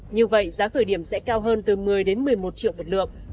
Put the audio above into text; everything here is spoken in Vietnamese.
như vậy giá khởi điểm sẽ cao hơn từ một mươi một mươi một triệu một lượng